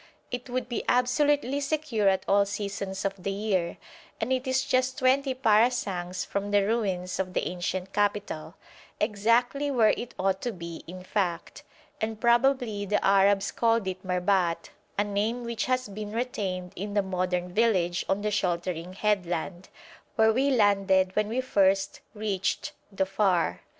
It would be absolutely secure at all seasons of the year, and it is just twenty parasangs from the ruins of the ancient capital exactly where it ought to be, in fact and probably the Arabs called it Merbat, a name which has been retained in the modern village on the sheltering headland, where we landed when we first reached Dhofar.